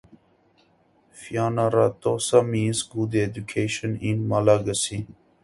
Fianarantsoa means "Good education" in Malagasy.